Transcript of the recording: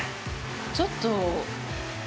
ちょっと。